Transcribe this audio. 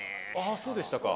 あそうでしたか。